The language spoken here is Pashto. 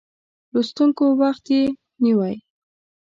لوستونکو وخت یې نیوی.